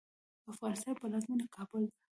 د افغانستان پلازمېنه کابل ده